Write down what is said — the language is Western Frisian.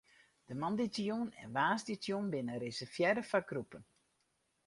De moandeitejûn en woansdeitejûn binne reservearre foar groepen.